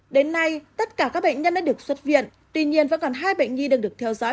đến nay tất cả các bệnh nhân đã được xuất viện tuy nhiên vẫn còn hai bệnh nhi đang được theo dõi